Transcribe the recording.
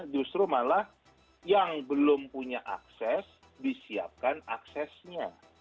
justru malah yang belum punya akses disiapkan aksesnya